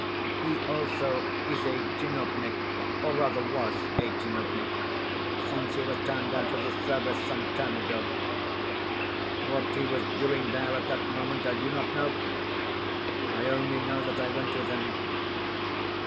He also is a tchinovnik or rather, was a tchinovnik, since he was turned out of the service some time ago. What he was doing there at that moment I do not know; I only know that I went with him....